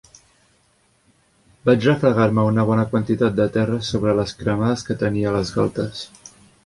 Vaig refregar-me una bona quantitat de terra sobre les cremades que tenia a les galtes.